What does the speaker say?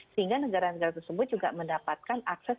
sehingga negara negara tersebut juga mendapatkan akses